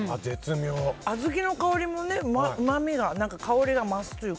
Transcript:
小豆の香りもうまみが香りが増すというか。